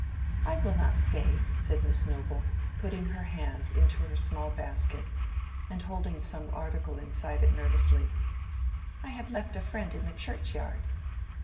"I will not stay," said Miss Noble, putting her hand into her small basket, and holding some article inside it nervously; "I have left a friend in the churchyard."